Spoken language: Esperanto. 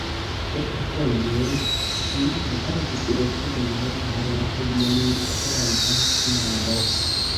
Kelkafoje ŝi rigardis returne al la hejmeniranta knabo.